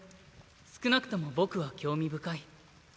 少なくとも僕は興味深い。